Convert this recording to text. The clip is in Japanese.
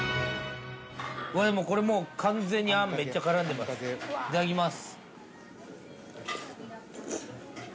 これもう完全にあんめっちゃ絡んでますいただきます